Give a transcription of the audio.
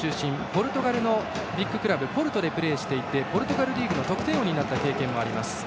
ポルトガルのビッグクラブポルトでプレーしていてポルトガルリーグの得点王になった経験もあります。